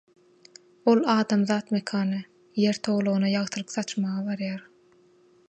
ol adamzat mekany, Ýer togalagyna ýagtylyk saçmaga barýar.